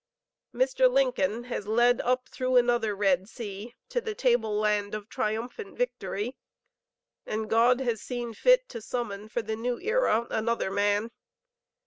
Mr. Lincoln has led up through another Red Sea to the table land of triumphant victory, and God has seen fit to summon for the new era another man.